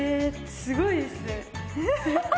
すごいですね